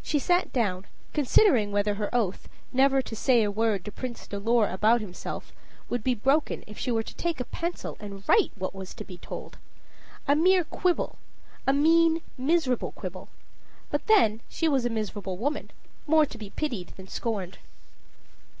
She sat down, considering whether her oath, never to "say a word" to Prince Dolor about himself, would be broken if she were to take a pencil and write what was to be told. A mere quibble a mean, miserable quibble. But then she was a miserable woman, more to be pitied than scorned.